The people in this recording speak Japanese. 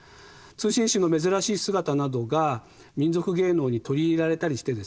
通信使の珍しい姿などが民俗芸能に取り入れられたりしてですね